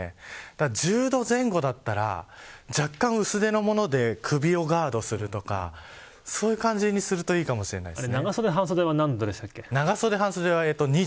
１０度前後だったら若干薄手のもので首をガードするとかそういう感じにするといいかもしれないですね。